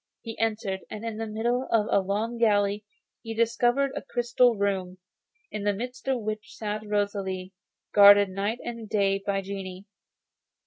He entered, and in the middle of a long gallery he discovered a crystal room, in the midst of which sat Rosalie, guarded night and day by genii.